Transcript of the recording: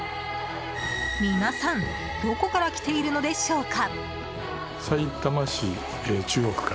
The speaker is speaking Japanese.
皆さんどこから来ているのでしょうか？